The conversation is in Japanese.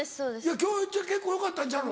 今日結構よかったんちゃうの？